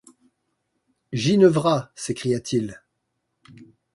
Ginevra! s’écria-t-il.